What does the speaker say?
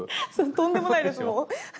とんでもないです。